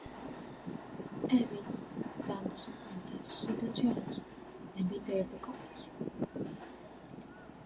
Evie, dándose cuenta de sus intenciones, la invita a ir de compras.